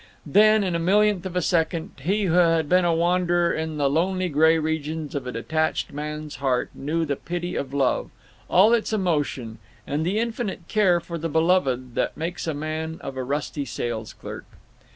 Then, in a millionth of a second, he who had been a wanderer in the lonely gray regions of a detached man's heart knew the pity of love, all its emotion, and the infinite care for the beloved that makes a man of a rusty sales clerk.